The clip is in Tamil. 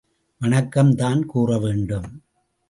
வணக்கம் தான் கூற வேண்டும்.